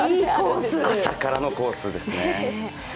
朝からのコースですね。